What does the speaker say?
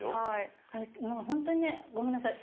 もうホントにねごめんなさい。